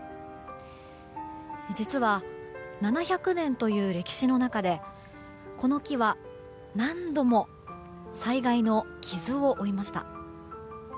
実は７００年という歴史の中でこの木は何度も災害の傷を負いました。